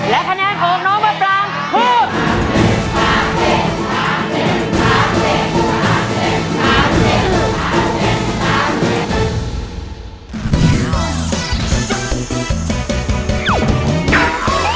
และคะแนนของน้องมะปรางคือ